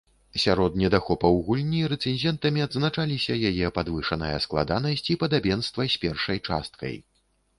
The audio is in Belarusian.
Сярод недахопаў гульні рэцэнзентамі адзначаліся яе падвышаная складанасць і падабенства з першай часткай.